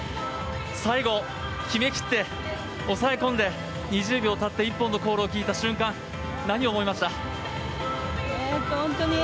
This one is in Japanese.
最後、決めきって、抑え込んで１０秒が経って一本のコールを聞いた瞬間何を思いました？